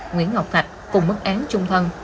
nguyễn ngọc thạch cùng mức án chung thân